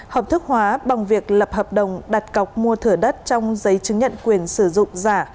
hợp thức hóa bằng việc lập hợp đồng đặt cọc mua thửa đất trong giấy chứng nhận quyền sử dụng giả